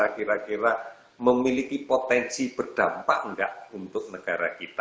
kira kira memiliki potensi berdampak nggak untuk negara kita